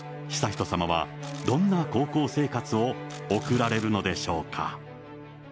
悠仁さまは、どんな高校生活を送られるのでしょうか。